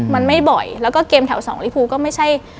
มันไม่บ่อยแล้วก็เกมแถวสองลิภูก็ไม่ใช่